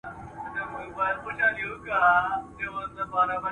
موږ پخوا د حق لار غوره کړې وه.